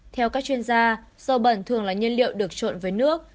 theo các chuyên gia dầu bẩn thường là nhân liệu được trộn với nước